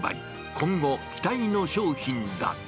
今後、期待の商品だ。